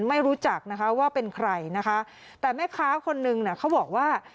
ไม่รู้จักนะคะว่าเป็นใครนะคะแต่แม่ค้าคนนึงเนี่ยเขาบอกว่า